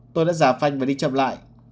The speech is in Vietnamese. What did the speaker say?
tôi đã giả phanh và đi chậm lại